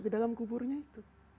kedalam kuburnya itu